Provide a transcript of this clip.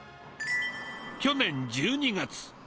去年１２月。